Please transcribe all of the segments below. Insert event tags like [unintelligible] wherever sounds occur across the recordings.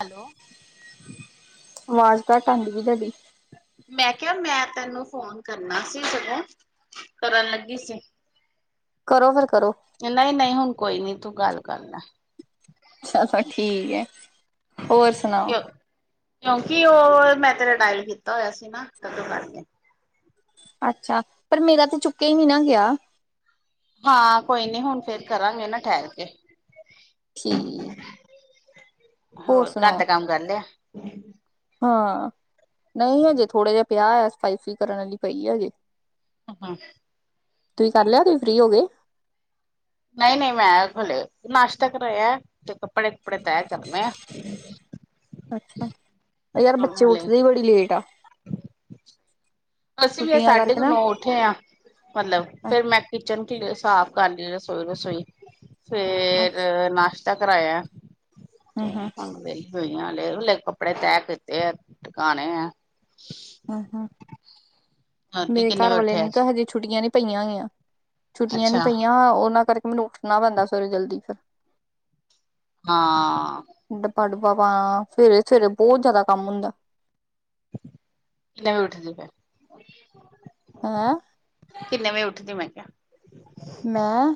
Hello. ਆਵਾਜ਼ ਤਾਂ ਘੱਟ ਆਦੀ ਪਈ ਹੈ ਤੁਹਾਡੀ। ਮੈਂ ਕਿਹਾ ਮੈਂ ਤੈਨੂੰ ਫੋਨ ਕਰਨਾ ਸੀ ਜਦੋਂ ਤੁਰਨ ਲੱਗੀ ਸੀ? ਕਰੋ ਫਿਰ। ਕਰੋ ਨਹੀਂ-ਨਹੀਂ ਹੁਣ ਕੋਈ ਨੀ। ਤੂੰ ਗੱਲ ਕਰ ਲਾ। ਅੱਛਾ ਫੇਰ ਠੀਕ ਹੈ। ਹੋਰ ਸੁਣਾਓ? ਕਿਉਂ ਕਿਉਂਕਿ ਉਹ ਮੈਂ ਤੇਰਾ ਡਾਇਲ ਕੀਤਾ ਹੋਇਆ ਸੀ, ਨਾ ਤਾਂ ਕਰਕੇ? ਅੱਛਾ ਪਰ ਮੇਰਾ ਤੇ ਚੁੱਕਿਆ ਹੀ ਨੀ ਨਾ ਗਿਆ। ਹਾਂ ਕੋਈ ਨੀ ਹੁਣ ਫੇਰ ਕਰਾਂਗੇ ਨਾ ਠਹਿਰ ਕੇ। ਠੀਕ। ਹੋਰ ਘਰ ਦਾ ਕੰਮ ਕਰ ਲਿਆ ਹੈ? ਹੂੰ। ਹਾਂ ਨਹੀਂ ਹਜੇ ਥੋੜੇ ਜਿਹੇ ਪਿਆ ਆ ਸਫ਼ਾਈ ਸੁਫਾਈ ਕਰਨ ਆਲੀ ਪਈ ਆ ਹਜੇ। ਹੂੰ, ਤੁਸੀਂ ਕਰ ਲਿਆ ਹੈ, ਤੁਸੀਂ ਫ੍ਰਰੀ ਹੋ ਗਏ? ਨਹੀਂ ਨਹੀਂ ਮੈਂ ਹਲੇ ਨਾਸ਼ਤਾ ਕਰਾਇਆ, ਤੇ ਕੱਪੜੇ ਕੁੱਪੜੇ ਤੈਅ ਕਰਨੇ ਆ। ਅੱਛਾ ਯਾਰ ਬੱਚੇ ਉੱਠਦੇ ਹੀ ਬੜੀ ਲੇਟ ਆ। ਹਾਂਜੀ। ਅਸੀਂ ਵੀ ਅੱਜ ਛੁੱਟੀਆਂ ਸਾਢੇ ਕਰਕੇ ਕ ਨਾ ਨੌ ਉੱਠੇ ਆ ਮਤਲਬ ਫੇਰ ਮੈਂ ਕਿਚਨ ਕੀਤੇ ਸਾਫ਼ ਕਰ ਜਾਈਆਂ ਰਸੋਈ ਰੁਸੋਈ। ਫੇਰ ਅੱਛਾ ਨਾਸ਼ਤਾ। ਤਾਂ ਕਰਾਇਆ ਤੇ ਹੂੰ ਹੂੰ ਹੁਣ ਵੀ ਦਈਆਂ ਲੇ ਲ ਕੱਪੜੇ ਤੈਅ ਕੀਤੇ ਐ, ਟਿਕਾਣੇ ਐ। ਹਾਂ ਹਾਂ ਰਾਤੀ ਮੇਰੇ ਕਿੰਨੇ ਘਰ ਵਜੇ ਵਾਲੇ ਉੱਠਿਆ ਨੂੰ ਅੱਜ ਤਾਂ ਹਜੇ ਛੁੱਟੀਆਂ ਨੇ। ਪਈਆਂ ਹੋਈਆਂ ਛੁੱਟੀਆਂ ਨੀ ਅੱਛਾ ਪਈਆਂ, ਔਨਾਂ ਕਰਕੇ ਮੈਨੂੰ ਉੱਠਣਾ ਪੈਂਦਾ ਸਵੇਰੇ ਜਲਦੀ, ਫਿਰ। ਹਾਂ ਡਬਾ ਡੁੱਬਾ ਪਾਉਣਾ ਸਵੇਰੇ ਸਵੇਰੇ ਬਹੁਤ ਜ਼ਿਆਦਾ ਕੰਮ ਹੁੰਦਾ। ਕਿੰਨੇ ਵਜੇ ਉਠਦੀ ਫ਼ਿਰ ਹੈਂ ਵਜੇ ਉੱਠਦੀ, ਮੈਂ ਕਿਹਾ ਮੈਂ,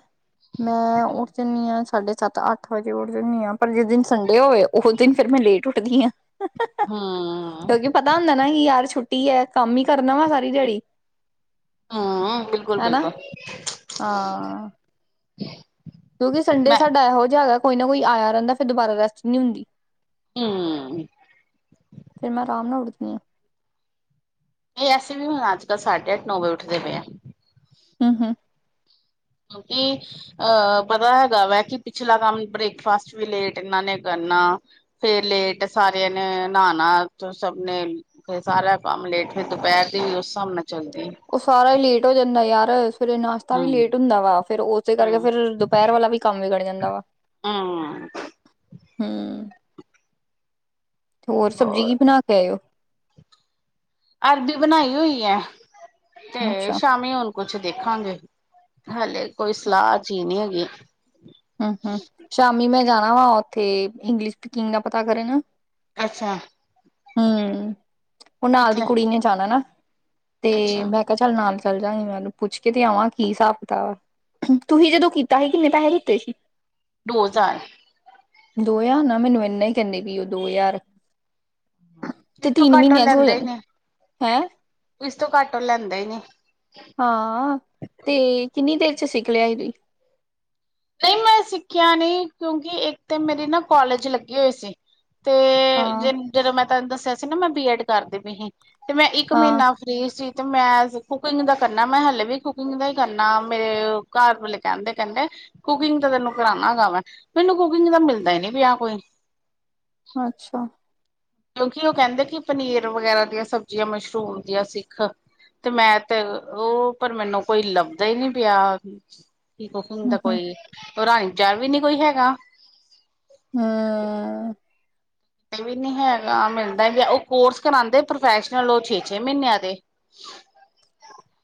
ਮੈਂ ਉੱਠ ਹੂੰ ਜਾਂਦੀ ਹਾਂ ਸਾਡੇ ਸੱਤ ਅੱਠ ਵਜੇ ਉੱਠ ਜਾਂਦੀ ਆਂ, ਪਰ ਜਿਸ ਦਿਨ ਸੰਡੇ ਹੋਏ, ਉਸ ਦਿਨ ਫੇਰ ਮੈਂ ਲੇਟ ਉੱਠਦੀ ਆਂ। ਕਿਉਂਕਿ ਪਤਾ ਹੁੰਦਾ ਨਾ ਕਿ ਯਾਰ ਛੁੱਟੀ ਟੀ ਹੈ, ਕੰਮ ਹੀ ਕਰਨਾ ਵਾ ਸਾਰੀ ਦਿਹਾੜੀ। ਹਾਂ ਬਿਲਕੁਲ ਹਨਾ ਬਿਲਕੁਲ ਹਾਂ ਹ [inaudible] ਕਿਉਂਕਿ ਸੰਡੇ ਸਾਡਾ ਇਹੋ ਜਿਹਾ ਹੈ ਕੋਈ ਨਾ ਕੋਈ ਆਇਆ ਰਹਿੰਦਾ ਫੇਰ ਦੁਬਾਰਾ ਰੈਸਟ ਨਹੀਂ ਹੁੰਦੀ। ਹੂੰ ਫਿਰ ਮੈਂ ਆਰਾਮ ਨਾਲ ਉੱਠਦੀ। ਹਾਂ ਇਹ ਅਸੀ ਵੀ ਹੁਣ ਅੱਜ ਕੱਲ੍ਹ, ਸਾਢੇ ਅੱਠ ਨੌ ਵਜੇ ਉੱਠਦੇ ਪਏ ਆ। ਹੂ ਹੂ ਕਿਉਂਕਿ ਅਹ ਪਤਾ ਹੈਗਾ ਵੈ ਕਿ ਪਿਛਲਾ ਕੰਮ ਬ੍ਰੇਕਫਾਸਟ ਵੀ ਲੇਟ ਇਹਨਾਂ ਨੇ ਕਰਨਾ, ਫੇਰ ਲੇਟ ਸਾਰਿਆਂ ਨੇ ਨਹਾਣਾ ਸਭ ਨੇ ਫੇਰ ਸਾਰਾ ਕੰਮ ਲੇਟ, ਫਿਰ ਦੁਪਹਿਰ ਦੀ ਉਸ ਹਿਸਾਬ ਨਾਲ ਚੱਲਦੀ ਔ ਸਾਰਾ ਹੀ ਲੇਟ ਹੋ ਜਾਂਦਾ ਯਾਰ। ਅਸ ਫੇਰ, ਨਾਸ਼ਤਾ ਵੀ ਲੇਟ ਹੂੰ ਹੁੰਦਾ ਵਾ। ਫੇਰ ਉਸੇ ਕਰਕੇ ਹੂੰ ਫੇਰ ਦੁਪਹਿਰ ਵਾਲਾ ਵੀ ਕੰਮ ਵਿਗੜ ਜਾਂਦਾ ਵਾ। ਹਮ। ਤੇ ਹੋਰ ਸਬਜ਼ੀ ਕੀ ਬਣਾ ਕੇ ਆਇਓ? ਅਰਬੀ ਬਣਾਈ ਹੋਈ ਹੈ। ਤੇ, ਅੱਛਾ ਸ਼ਾਮੀ ਹੁਣ- ਕੁਛ ਦੇਖਾਂਗੇ, ਹਲੇ ਕੋਈ ਸਲਾਹ ਜਿਹੀ ਨਹੀਂ ਹੈਗੀ। ਹੂੰ-ਹੂੰ, ਸ਼ਾਮੀ ਮੈਂ [unintelligible] ਜਾਣਾ ਵਾ ਉੱਥੇ ਇੰਗਲਿਸ਼ ਸਪੀਕਿੰਗ ਦਾ ਪਤਾ ਕਰ ਨ। ਅੱਛਾ। ਹੂੰ, ਹੁਣ ਨਾਲ ਦੀ ਕਿੱਥੇ ਕੁੜੀ ਨੇ ਜਾਣਾ ਨਾ ਤੇ, ਅੱਛਾ ਮੈਂ ਕਿਹਾ ਚੱਲ ਨਾਲ ਚੱਲ ਜਾਂਗੀ, ਮੈਨੂੰ ਪੁੱਛ ਕੇ ਤੇ ਆਵਾਂ ਕੀ ਹਿਸਾਬ ਕਿਤਾਬ ਆ। ਤੁਸੀਂ ਜਦੋਂ ਕੀਤਾ ਸੀ ਕਿੰਨੇ ਪੈਸੇ ਤੇ ਸੀ ਦੋ ਹਜ਼ਾਰ। ਦੋ ਹਜ਼ਾਰ, ਨਾ ਮੈਨੂੰ ਇੰਨਾ ਹੀ ਕਹਿੰਦੇ, ਵੀ ਉਹ ਦੋ ਹਜ਼ਾਰ ਤੇ, ਇਸ ਤੋਂ ਤਿੰਨ ਘੱਟ ਮਹੀਨਿਆਂ ਚ ਹੋ ਲੈਂਦਾ ਹੀ ਜਾਣਾ ਏ। ਨੀ ਹੈਂ ਇਸ ਘੱਟ ਲੈਂਦਾ ਹੀ, ਨੀ ਹਾਂ, ਤੇ ਕਿੰਨੀ ਦੇਰ ਤੇ, ਸਿੱਖ ਲਿਆ ਈ ਵੀ ਨਹੀਂ, ਮੈਂ ਸਿੱਖਿਆ ਨਹੀਂ, ਕਿਉਂਕਿ ਇੱਕ ਤਾਂ, ਮੇਰੀ ਨਾ ਕੋਾਲਜ ਲੱਗੇ ਹੋਈ ਸੀ। ਤੇ, ਹਾਂ ਜਦੋਂ ਮੈਂ ਤੈਨੂੰ ਦੱਸਿਆ ਸੀ ਨਾ, ਮੈਂ ਬੀ ਐਡ ਕਰ ਦੀ ਪਈ ਆ। ਤੇ, ਮੈਂ ਇੱਕ ਮਹੀਨਾ ਹਾਂ ਫੀਸ ਸੀ ਤੇ ਮੈਂ ਕੁਕਿੰਗ ਦਾ ਕਰਨਾ, ਮੈਂ ਹਲੇੇ ਵੀ ਕੁਕਿੰਗ ਦਾ ਹੀ ਕਰਨਾ, ਮੇਰੇ ਘਰ ਵਲੇ ਕਹਿੰਦੇ, ਕਹਿੰਦੇ ਕੁਕਿੰਗ ਤਾਂ ਤੈਨੂੰ ਕਰਾਣਾ ਹੇਗਾ ਵੈਂ। ਮੈਨੂੰ ਕੁਕਿੰਗ ਤਾਂ ਮਿਲਦਾ ਹੀ ਨੀ ਪਿਆ ਕੋਈ ਅੱਛਾ। ਕਿਉਂਕਿ ਉਹ ਕਹਿੰਦੇ ਕਿ ਪਨੀਰ ਵਗੈਰਾ ਦੀਆਂ ਸਬਜ਼ੀਆਂ, ਮਸ਼ਰੂਮ ਦੀਆਂ, ਸਿੱਖ। ਤੇ, ਮੈਂ ਤੇ ਉਹ ਪਰ, ਮੈਨੂੰ ਕੋਈ ਲੱਭਦਾ ਹੀ ਨਹੀਂ ਪਿਆ। ਕੀ ਕੁ [unintelligible] ਸੁੁੰ ਹਮ ਤਾਂ ਹਮ ਕੋਈ ਰਾਣੀ ਨੂੰ ਚੈਨ ਵੀ ਨੀ ਕੋਈ ਹੈਗਾ। ਹੂੰ। ਵੀ ਨੀ ਹੈਗਾ। ਮਿਲਦਾ ਗਿਆ ਉਹ ਕੋਰਸ ਕਰਾਂਦੇ ਪ੍ਰੋਫੈਸ਼ਨਲ ਉਹ ਛੇ- ਛੇ ਮਹੀਨਿਆਂ ਦੇ।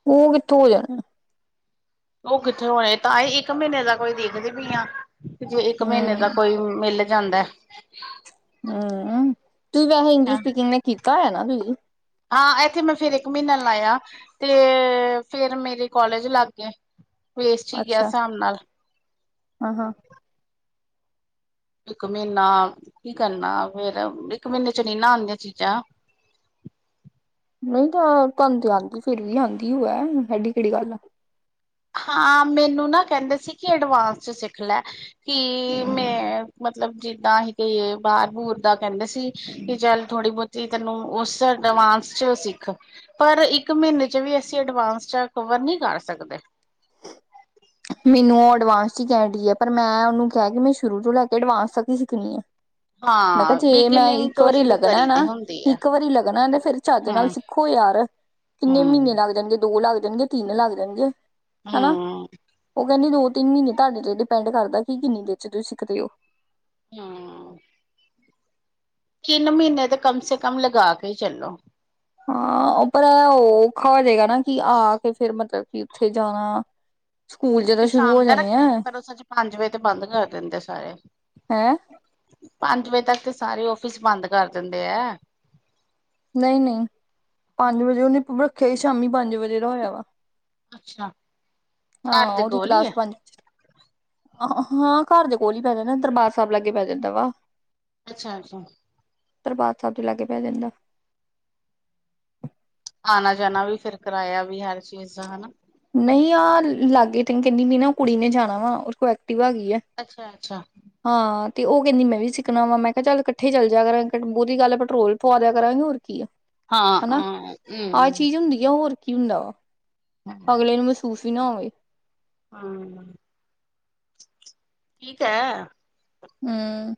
ਉਹ, ਕਿੱਥੋਂ ਹੋ ਜਾਣਾ ਆ। ਉਹ, ਕਿੱਥੇ ਹੋਣੇ, ਤਾਂ ਇੱਕ ਮਹੀਨੇ ਦਾ ਕੋਈ [unintelligible] ਦੇਖਦੇ ਪਈ ਆ। ਜੇ ਇੱਕ ਮਹੀਨੇ ਦਾ ਹਮ ਕੋਈ ਮੇਲੇ ਜਾਂਦਾ ਏ। ਤੂੰ ਵੀ ਆ ਇੰਗਲਿਸ਼ ਸਪੀਕਿੰਗ ਨੀ ਕੀ- [unintelligible] ਤਾ, ਹੈਨਾ, ਬੀ ਹਾਂ, ਇੱਥੇ ਮੈਂ ਫੇਰ ਇੱਕ ਮਹੀਨਾ ਲਾਇਆ ਤੇ, ਫੇਰ ਮੇਰੇ ਕੌਲੇਜ ਲਾਗ ਗਏ। ਵੇਸਟ ਹੀ ਗਿਆ ਅੱਛਾ ਹਸਾਬ ਨਾਲ ਹਾਂ ਹਾਂ ਇੱਕ ਮਹੀਨਾ ਕੀ ਕਰਨਾ, ਫੇਰ ਇੱਕ ਮਹੀਨੇ'ਚ ਨਹੀਂ ਨਾ ਆਂਦੀਆਂ ਚੀਜ਼ਾਂ। ਨਹੀਂ ਤਾਂ, ਤੁਹਾਨ ਤੇ ਆਉਂਦੀ ਫਿਰ ਵੀ, ਆਉਂਦੀ ਹੋ, ਐਡੀ ਕਿਹੜੀ ਗੱਲ ਹਾਂ, ਮੈਨੂੰ ਨਾ ਕਹਿੰਦੇ ਸੀ ਕਿ, ਅਡਵਾਂਸ'ਚ ਸਿੱਖ ਲੈ, ਕਿ ਮੈਂ' ਮਤਲਬ ਜਿੱਦਾਂ ਹੀ ਬਾਹਰ-ਬੁਰ ਦਾ ਕਹਿੰਦੇ ਸੀ, ਕਿ ਚੱਲ ਥੋੜ੍ਹੀ ਬਹੁਤੀ ਤੈਨੂੰ ਉਸ ਐਡਵਾਂਸ'ਚ ਸਿੱਖ, ਪਰ ਇੱਕ ਮਹੀਨੇ'ਚ ਵੀ ਅਸੀਂ, ਅਡਵਾਂਸ'ਚ ਕਵਰ ਨਹੀਂ ਕਰ ਸਕਦੇ। ਮੈਨੂੰ ਐਡਵਾਂਸ ੱਚੀ ਕਹਿ ਡਦੀ ਹੈ ਪਰ, ਮੈਂ ਉਹਨੂੰ ਕਿਹਾ ਕਿ, ਮੈਂ ਸ਼ੁਰੂ ਤੋਂ ਲੈਕੇ ਐਡਵਾਂਸ ਤੱਕ ਹੀ ਸਿੱਖਣੀ ਏ। ਮੈਂ, ਕਿਹਾ ਹਾਂ ਜੇ ਮੈਂ ਬਿਗਨਿੰਗ ਇੱਕ ਤੋਂ ਵਾਰੀ ਸ਼ੁਰੂ ਲੱਗਣਾ ਕਰੀ ਨਾ, ਤੇ ਹੁੰਦੀ ਹੈ ਇੱਕ ਵਾਰੀ ਲੱਗਣਾ ਤੇ, ਫੇਰ ਚੱਜ ਨਾਲ ਹਮ ਸਿੱਖੋ ਯਾਰ, ਕਿੰਨੇ ਮਹੀਨੇ ਹਮ ਲੱਗ ਜਾਣਗੇ, ਦੋ ਲੱਗ ਜਾ ਲਾਗ ਜਾਣਗੇ, ਤਿੰਨ ਲੱਗ ਜਾਣਗੇ। ਹੂੰ ਹਨਾ। ਉਹ ਕਹਿੰਦੀ ਦੋ- ਤਿੰਨ ਮਹੀਨੇ ਤੁਹਾਡੇ ਤੇ, ਡਿਪੈਂਡ ਕਰਦਾ ਕਿ ਕਿੰਨੀ ਦੇਰ'ਚ ਤੁਸੀਂ ਸਿੱਖਦੇ ਹੋ। ਹਾਂ। ਤਿੰਨ ਮਹੀਨੇ ਤੇ, ਕਮ ਸੇ ਕਮ, ਲਗਾ ਕੇ ਚੱਲੋ ਹਾਂ, ਉ ਪਰ, ਔਖਾ ਹੋ ਜਾਏਗਾ ਨਾ, ਕਿ ਆਕੇ ਫਿਰ ਮਤਲਬ ਕਿ ਉੱਥੇ ਜਾਣਾ ਸਕੂਲ ਤੇ ਜਦੋਂ ਸ਼ੁਰੂ ਹੋ ਸ਼ਾਮ ਦਾ ਜਾਣੇ ਆ ਰੱਖੀ, ਪਰ ਉਹ ਸਜ ਪੰਜ-ਵਜੇ ਤੇ, ਬੰਦ ਕਰ ਦਿੰਦੇ ਸਾਰੇ। ਹੈਂ ਪੰਜ- ਵਜੇ ਤੱਕ ਤੇ, ਸਾਰੇ ਆਫਿਸ ਬੰਦ ਕਰ ਦਿੰਦੇ ਹੈ। ਨਹੀਂ- ਨਹੀਂ ਪੰਜ-ਵਜੇ ਉਹਨੇ ਤਗ ਈ ਸ਼ਾਮੀ ਪੰਜ- ਵਜੇ ਦਾ, ਹੋਇਆ ਵਾ। ਅੱਛਾ ਹਾਂ, ਘਰ ਦੇ ਉਹਦੀ ਕੋਲ ਹੀ ਹੈ ਕਲਾਸ ਪੰਜ ਹ, ਹਾਂ। ਘਰ ਦੇ ਕੋਲ ਹੀਈ ਪੈ ਜਾਂਦਾ, ਦਰਬਾਰ ਸਾਹਿਬ ਲਾਗੇ ਪੈ ਜਾਂਦਾ ਵਾ। ਅੱਛਾ-ਅੱਛਾ। 'ਦਰਬਾਰ ਸਾਹਿਬ' ਤੋਂ ਲਾਗੇ ਪੈ ਜਾਂਦਾ। ਆਣਾ ਜਾਣਾ ਵੀ ਫਿਰ ਕਰਾਇਆ ਵੀ, ਹਰ ਚੀਜ਼ ਹਨਾ। ਨਹੀਂ ਆਹ ਲਾਗੇ ਤ, ਕਹਿੰਦੀ ਵੀ ਨਾ ਕੁੜੀ ਨੇ ਜਾਣਾ ਵਾ ਕੋ ਐਕਟੀਵਾ ਹੈਗੀ ਹੈ। ਅੱਛਾ ਅੱਛਾ ਹਾਂ ਤੇ, ਉਹ ਕਹਿੰਦੀ ਮੈਂ, ਵੀ ਸਿੱਖਣਾ ਵਾ, ਮੈਂ ਕਿਹਾ ਚੱਲ ਇਕੱਠੇ ਚੱਲ ਜਾਿਆ ਕਰਾਂਗੇ, ਬਹੁਤੀ ਗੱਲ ਹੈ, ਪੈਟਰੋਲ ਪਵਾ ਦਿਆ ਕਰਾਂਗੇ ਹੋਰ ਕੀ ਆ ਹਾਂ, ਹਨਾ ਹਾਂ ਆਹ ਹੂੰ। ਚੀਜ਼ ਹੁੰਦੀ ਆ ਹੋਰ ਕੀ ਹੁੰਦਾਓ ਅਗਲੇ ਨੂੰ ਮਹਸੂਸ ਹੀ ਨਾ ਹੋਵੇ। ਹੂੰ ਠੀਕ ਹੈ। ਹਮ,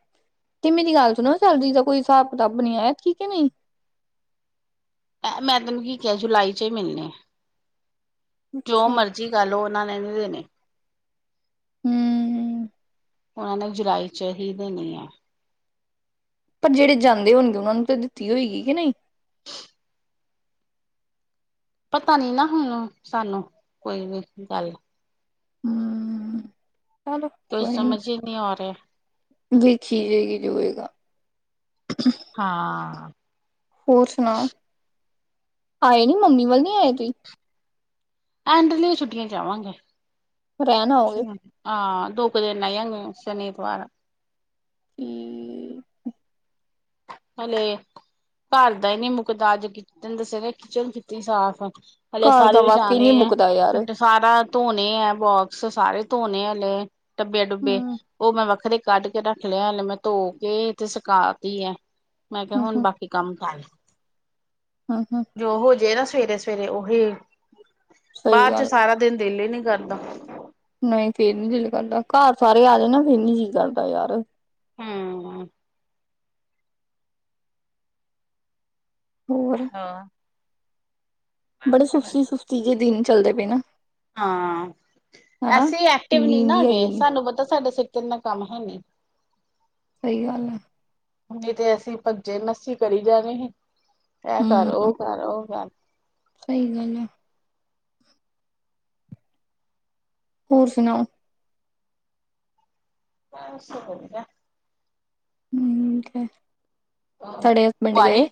ਤੇ ਮੇਰੀ ਗੱਲ ਸੁਣੋ ਸੈਲਰੀ ਦਾ ਕੋਈ ਹਿਸਾਬ-ਕਿਤਾਬ ਬਨੀਆ ਹੈ, ਕੇ ਨਹੀਂ? ਮੈਂ, ਤੈਨੂੰ ਕੀ ਕਿਹਾ ਜੁਲਾਈ'ਚ ਹੀ ਮਿਲਣੇ ਆ। ਜੋ ਅੱਛਾ ਮਰਜੀ ਕਾਰ ਲੋ ਨਾਲੈ ਨਈ ਦੇਣੇ। ਹੂੰ। ਉਹਨਾਂ ਨੇ, ਜੁਲਾਈ'ਚ ਹੀ ਦੇਣੇ ਆ। ਪਰ ਜਿਹੜੇ ਜਾਂਦੇ ਹੋਣਗੇ, ਉਹਨਾਂ ਨੂੰ ਤਾਂ ਦਿੱਤੀ ਹੋਏਗੀ, ਕਿ ਨਹੀਂ। ਪਤਾ ਨੀ ਨਾ ਹੁਣ ਸਾਨੂੰ ਕੋਈ ਵੀ ਗੱਲ ਹਮ ਚਲੋ ਕੋਈ ਨੀ ਸਮਝ ਹੀ ਨਹੀਂ ਆ ਰਿਹਾ ਵੇਖੀ ਜਾਏਗੀ ਜੋ ਹੋਏਗਾ। ਹਾਂ। ਹੋਰ ਸੁਣਾਓ ਆਏ ਨੀ ਮੰਮੀ ਵੱਲ ਨੀ ਆਏ ਤੁਂਸੀ। ਐਂਡਲੀ ਛੁੱਟੀਆਂ ਚ ਆਵਾਂਗੇ। ਰਹਿਣ ਆਓਗੇ ਆਹ ਦੋ ਕੁ ਦਿਨ ਰੈਜਾਗੇ। ਸ਼ਨੀ, ਇਤਵਾਰ ਹੂੰ। ਹਲੇ ਘਰ ਦਾ ਹੀ ਨਹੀਂ ਮੁੱਕਦਾ ਅੱਜ ਸਵੇਰੇ ਕਿਚਨ ਕੀਤੀ ਸੀ ਸਾਫ਼। ਹਲੇ ਘਰ ਸਾਰੇ ਦਾ ਵਾਕਈ ਵਿਛਾਉਣੇ ਨੀ ਮੁੱਕਦਾ ਯਾਰ ਹੈ, ਸਾਰਾ ਧੋਣੇ ਹੈ, ਬੋਕਸ ਸਾਰੇ। ਧੋਣੇ ਆ ਹਲੇ। ਡੱਬੇ ਡੁੱਬੇ ਹੂੰ ਉਹ ਮੈਂ ਵੱਖਰੇ। ਕੱਢ ਕੇ ਰੱਖ ਲਿਆ, ਹਲੇ ਮੈਂ ਧੋ ਕੇ ਤੇ ਸੁਕਾ ਤੀ ਆ ਹੈ। ਮੈਂ ਕਿਹਾ ਹੂੰ ਹੁਣ ਹੂੰ ਬਾਕੀ ਕੰਮ ਕਰ ਹੂੰ ਹੂੰ ਜੋ ਹੋ ਜੇ ਨਾ। ਸਵੇਰੇ ਸਵੇਰੇ ਉਹੀ। ਸਹੀ ਬਾਅਦ ਚ ਗੱਲ ਸਾਰਾ ਦਿਨ ਦਿਲ ਹੀ ਨੀ ਕਰਦਾ। ਨਹੀਂ ਫੇਰ ਨੀ ਦਿਲ ਕਰਦਾ ਘਰ ਸਾਰੇ ਆ ਜਾ ਨਾ ਫੇਰ ਨੀ ਦਿਲ ਕਰਦਾ ਯਾਰ। ਹੂੰ। ਹੋਰ। ਹਾਂ ਬੜੇ ਸੁਸਤੀ ਸੁਸਤੀ ਜਿਹੇ ਦਿਨ। ਚੱਲਦੇ ਪਏ ਨਾ। ਹਾਂ ਹਨਾ ਐਸੀ ਐਕਟਿਵ ਨਹੀਂ ਨੀਂਦ ਨਾ ਹੀ ਆਈ ਹੈਗੇ ਜਾਂਦੀ ਸਾਨੂੰ ਪਤਾ ਸਾਡੇ। ਕਿੰਨਾ ਕੰਮ ਹੈਨੀ। ਸਹੀ ਗੱਲ ਹੈ। ਨਹੀਂ ਤੇ ਅਸੀਂ ਭੱਜੇ ਲਸੀ ਕਰੀ ਜਾਣੇ ਸੀ? ਇਹ ਕਰ ਹੂੰ ਉਹ ਕਰ ਉਹ ਕਰ। ਸਹੀ ਗੱਲ ਆ। ਹੋਰ ਸੁਣਾਓ? ਅਸੀਂ ਵਧੀਆ। ਹੂੰ ਕਿਹ। ਤੁਹਾਡੇ ਹਸਬੈਂਡ ਤੂੰ ਆਈ ਗਏ।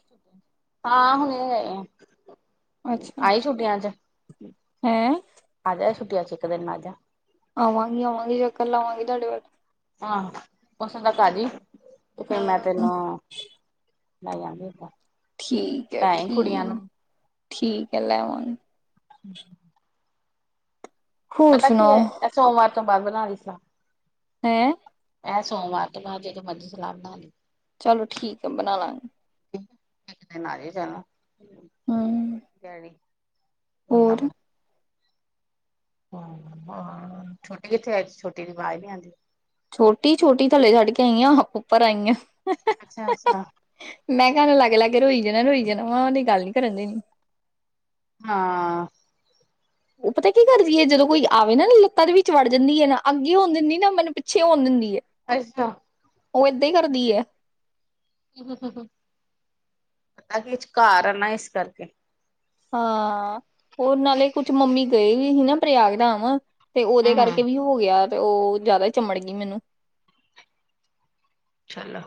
ਹਾਂ ਹੁਣੇ ਆਏ ਆ। ਅੱਛਾ ਆਈ ਛੁੱਟੀਆਂ ਚ ਹੈਂ ਆਜਾ। ਛੁੱਟੀਆਂ 'ਚ ਇੱਕ ਦਿਨ ਲਾਜਾ। ਆਵਾਂਗੀ ਆਵਾਂਗੀ ਚੱਕਰ ਲਵਾਂਗੀ ਤੁਹਾਡੇ ਵੱਲ। ਹਾਂ ਉੱਥੇ ਤਾਂ ਘਰ ਹੀ? ਤੇ ਫਿਰ ਮੈਂ ਹੂੰ ਤੈਨੂੰ। ਲੈ ਜਾਗੇ ਆਪਾਂ। ਠੀਕ ਹੈ ਠੀਕ। ਠੀਕ ਹੈ ਲੈਵਾਗੀ। ਹੂੰ। ਹੋਰ ਪਤਾ ਕੀ ਏ ਸੁਣਾਓ ਇਹ ਸੋਮਵਾਰ ਤੋਂ ਵਾਲ ਬਣਾ ਰਹੀ ਸੀ ਹੈਂ ਇਹ ਸੋਮਵਾਰ ਤੋਂ ਮ ਜਦੋਂ ਮਰਜ਼ੀ ਸਲਾਹ ਬਣਾ ਲਈ ਚਲੋ ਠੀਕ ਹੈ ਬਣਾ ਲਾਂਗੇ। ਇੱਕ ਦਿਨ ਆਜੇ ਜਾਂ ਹਮ ਕੈਰੀ ਉਹਨਾ ਹੋਰ ਮ ਹਮ ਛੋਟੀ ਕਿਥੇ ਛੋਟੀ ਦੀ ਆਵਾਜ਼ ਨਹੀਂ ਆਉਂਦੀ ਛੋਟੀ ਛੋਟੀ ਥੱਲੇ ਛੱਡ ਕੇ ਆਈ ਆ ਉੱਪਰ ਆਈ ਹ ਅੱਛਾ ਅੱਛਾ ਮੈਂ ਕਿਹਾ ਓਹਨੇ ਲਾਗੇ ਲਾਗੇ ਰੋਈ ਜਾਣਾ ਜਿਹਨਾਂ ਰੋਈ ਜਾਣਾ ਉਹਨੇ ਗੱਲ ਨੀ ਕਰਨ ਦੇਣੀ ਹਾਂ ਉਹ ਪਤਾ ਕੀ ਕਰਦੀ ਹੈ ਜਦੋਂ ਕੋਈ ਆਵੇ ਨਾ ਲੱਤਾਂ ਦੇ ਵਿੱਚ ਵੜ ਜਾਂਦੀ ਹੈ ਨਾ ਅੱਗੇ ਹੋਣ ਦਿੰਦੀ ਨਾ ਮੈਨੂੰ ਪਿੱਛੇ ਹੋਣ ਦਿੰਦੀ ਏ ਅੱਛਾ। ਉਹ ਏਦਾਂ ਹੀ ਕਰਦੀ ਹੈ। ਹੂ ਹੂ ਹੂ ਆ ਵਿਚਕਾਰ ਆ ਨਾ ਇਸ ਕਰ ਕੇ ਹਾਂ ਉਹ ਨਾਲੇ ਕੁਛ ਮੰਮੀ ਗਏ ਵੀ ਸੀ ਨਾ ਪ੍ਰਯਾਗ ਧਾਮ ਤੇ ਉਹਦੇ ਹੂੰ, ਕਰਕੇ ਵੀ ਹੋ ਗਿਆ। ਤੇ ਉਹ ਜਿਆਦਾ ਚਮੜ ਗਈ ਮੈਨੂੰ ਚਲੋ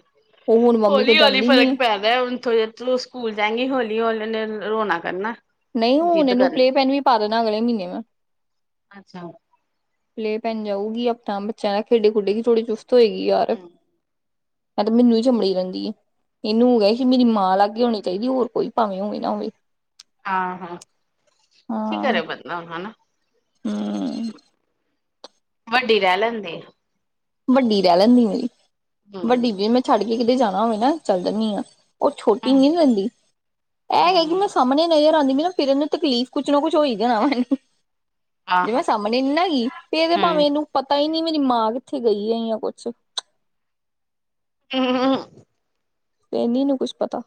ਉਹ ਹੁਣ ਮੰਮੀ ਕੋਲ ਹੌਲੀ ਹੌਲੀ ਜਾਂਦੀ ਨੀ ਫਰਕ ਹੈ ਪੈਦਾ ਹੁਣ ਥ ਹੁਣ ਸਕੂਲ ਜਾਏਗੀ ਹਲੀ ਹੌਲੀ ਰੋਣਾ ਕਰਨਾ ਨਹੀਂ ਹੁਣ ਜਿੱਦ ਇਹਨੂੰ ਕਰਨਾ ਪਲੇ ਪੈਨ ਵੀ ਪਾ ਦੇਣਾ ਅਗਲੇ ਮਹੀਨੇ ਮੈਂ ਅੱਛਾ। ਪਲੇਅ ਪੈਨ ਜਾਊਗੀ ਹਫ਼ਤਾ ਬੱਚਿਆਂ ਦਾ ਖੇਡੇ ਖੇਡੇਗੀ ਥੋੜੀ ਚੁਸ ਹੋਏਗੀ ਯਾਰ ਹੂੰ, ਮੈਂ ਤੇ ਮੈਨੂੰ ਹੀ ਚਮੜੀ ਰਹਿੰਦੀ ਇਹਨੂੰ ਸੀ ਮੇਰੀ ਮਾਂ ਲਾਗੇ ਹੋਉਣੀ ਚਾਹੀਦੀ ਹੋਰ ਕੋਈ ਭਾਵੇਂ ਹੋਵੇ ਨਾ ਹੋਵੇ ਆਹ ਹਾਂ ਕੀ ਹਾਂ ਕਰੇ ਬੰਦਾ ਹਨਾ ਹਮ ਵੱਡੀ ਰਹਿ ਲੈਂਦੀ ਆ ਵੱਡੀ ਰਹਿ ਲੈਂਦੀ ਮੇਰੀ ਹੂੰ। ਵੱਡੀ ਜ ਮੈਂ ਛੱਡ ਵੀ ਕਿਤੇ ਜਾਣਾ ਹੋਵੇ ਨਾ ਚੱਲ ਜਾਨੀ ਆਾਂ ਉਹ ਛੋਟੀ ਨਹੀਂ ਰਹਿੰਦੀ ਇਹ ਹੈਗਾ ਕਿ ਮੈਂ ਹੂੰ, ਸਾਹਮਣੇ ਰਹਿ ਜਾਂਦੀ ਨਾ ਫਿਰਨ ਨੂੰ ਤਕਲੀਫ਼ ਕੁਛ ਨਾ ਕੁਛ ਹੋਈ ਜਾਣਾ ਵਾ ਜੇ ਆਹੋ ਮੈਂ ਸਾਹਮਣੇ ਨਹੀਂ ਨਾ ਹੈਗੀ ਫ਼ਿਰ ਤੇ ਭਾਵੇਂ ਹੂੰ। ਇਹਨੂੰ ਪਤਾ ਹੀ ਨੀ ਮੇਰੀ ਮਾਂ ਉੱਥੇ ਗਈ ਆ ਜਾਂ ਕੁਛ ਹਮ ਹਮ ਤੇ ਫੇਰ ਨੀ ਏਨੂੰ ਪਤਾ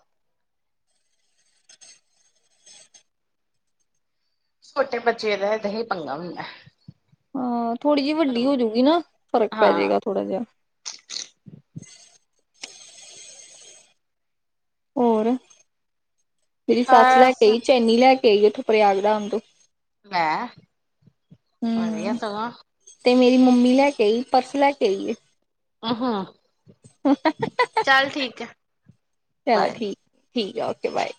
ਛੋਟੇ ਬੱਚੇ ਰਹੇ ਦਾ ਹੀ ਪੰਗਾ ਹੁੰਦਾ। ਹਾਂ ਥੋੜ੍ਹੀ ਜਿਹੀ ਵੱਡੀ ਹੋਜੂਗੀ ਨਾ ਫ਼ਰਕ ਪੈ ਹਾਂ। ਜਾਏਗਾ ਥੋੜਾ ਜਿਹਾ। ਹੋਰ? ਮੇਰੀ ਸੱਸ ਲੈ ਬਸ ਆਈ ਚੈਨੀ ਲੈ ਕੇ- ਦੇ ਗਏ ਥੇ ਪ੍ਰਿਆਗ ਦਾਮ ਤੋਂ। ਹੈ ਵਧੀਆ ਹੂੰ ਸਮਾ। ਤੇ ਮੇਰੀ ਮੰਮੀ ਲੈ ਕੇ ਆਈ, ਪਰਸ ਲੈ ਕੇ ਆਈ ਏ। ਆ ਹੂ। ਚਲੋ ਬਾਏ। ਠੀਕ ਠੀਕ ਆ ਓਕੇ ਬਾਏ।